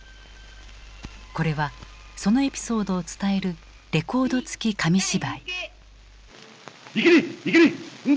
これはそのエピソードを伝えるレコード付き紙芝居。